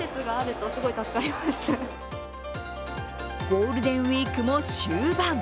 ゴールデンウイークも終盤。